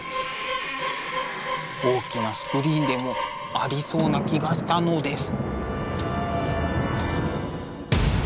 大きなスクリーンでもありそうな気がしたのです。